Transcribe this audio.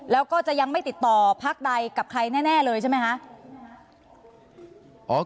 แล้วก็จะยังไม่ติดต่อพักใดกับใครแน่เลยใช่ไหมคะ